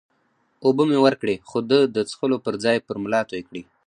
اوبه مې ورکړې، خو ده د څښلو پر ځای پر ملا توی کړې.